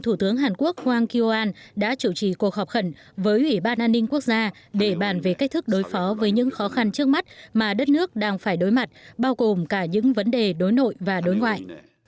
thủ tướng hàn quốc wang kyuan đã chủ trì cuộc họp khẩn với ủy ban an ninh quốc gia để bàn về cách thức đối phó với những khó khăn trước mắt mà đất nước đang phải đối mặt bao gồm cả những vấn đề đối nội và đối ngoại